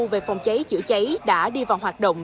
về phòng cháy chữa cháy đã đi vào hoạt động